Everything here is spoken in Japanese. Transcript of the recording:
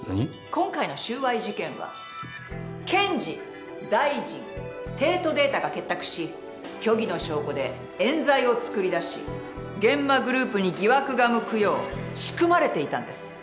今回の収賄事件は検事大臣帝都データが結託し虚偽の証拠でえん罪を作り出し諫間グループに疑惑が向くよう仕組まれていたんです。